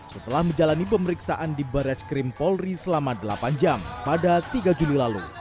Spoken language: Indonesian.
setelah menjalani pemeriksaan di barres krim polri selama delapan jam pada tiga juli lalu